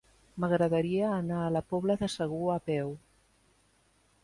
M'agradaria anar a la Pobla de Segur a peu.